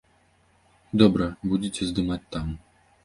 Добра, будзеце здымаць там.